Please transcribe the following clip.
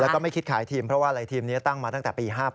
แล้วก็ไม่คิดขายทีมเพราะว่าอะไรทีมนี้ตั้งมาตั้งแต่ปี๕๘